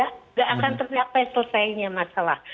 tidak akan tercapai selesainya masalah